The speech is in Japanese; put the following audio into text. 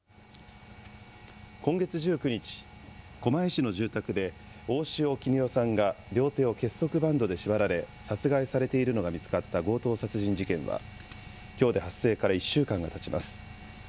今月１９日、狛江市の住宅で大塩衣與さんが両手を結束バンドで縛られ、殺害されているのが見つかった強盗殺人事件は、きょうで発生から１週間がたちます。